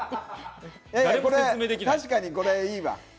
確かに、これいいわ。